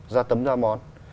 ra tấm ra món